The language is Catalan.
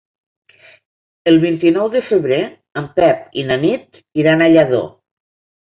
El vint-i-nou de febrer en Pep i na Nit iran a Lladó.